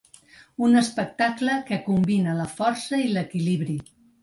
Un espectacle que combina la força i l’equilibri.